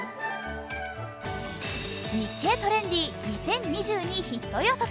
「日経トレンディ」２０２２ヒット予測。